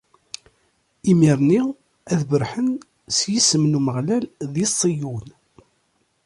Imir-nni, ad berrḥen s yisem n Umeɣlal, di Ṣiyun.